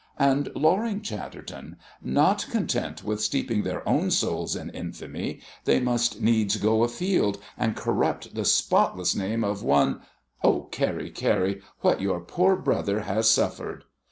"And Loring Chatterton. Not content with steeping their own souls in infamy, they must needs go afield, and corrupt the spotless name of one oh, Carrie, Carrie, what your poor brother has suffered!